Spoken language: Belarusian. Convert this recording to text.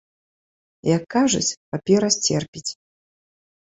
Як кажуць, папера сцерпіць.